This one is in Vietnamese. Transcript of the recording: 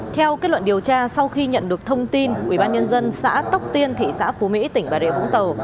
theo kết luận điều tra sau khi nhận được thông tin ubnd xã tóc tiên thị xã phú mỹ tỉnh bà rịa vũng tàu